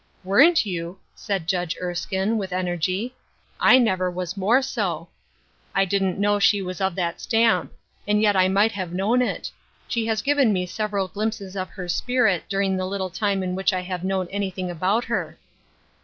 " Weren't you !" said Judge Erskine, with energ}'. " I never was more so. I didn't know From Different Siuiidpoints. 101 she was of that stamp ; and yet I might have known it. She has given me several glimp«es of her spirit during the little time in which 1 have known anything about her.''